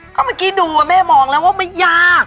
ก็เมื่อกี้ดูแม่มองแล้วว่าไม่ยาก